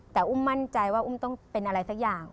แต่อุ้มมั่นใจว่าอุ้มต้องเป็นอะไรสักอย่าง